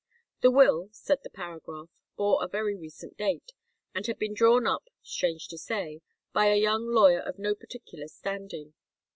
The will, said the paragraph, bore a very recent date, and had been drawn up, strange to say, by a young lawyer of no particular standing.